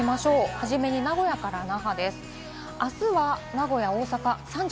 初めに名古屋から那覇です。